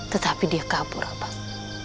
tetapi dia kabur abang